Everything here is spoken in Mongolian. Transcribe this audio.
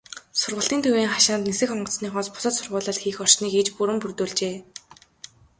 Сургалтын төвийн хашаанд нисэх онгоцныхоос бусад сургуулилалт хийх орчныг иж бүрэн бүрдүүлжээ.